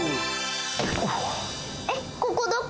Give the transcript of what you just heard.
えっここどこ？